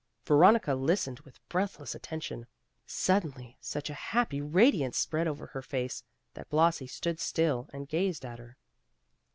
Veronica listened with breathless attention. Suddenly, such a happy radiance spread over her face, that Blasi stood still and gazed at her.